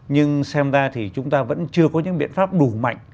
nhưng xem ra thì chúng ta vẫn chưa có những biện pháp đủ mạnh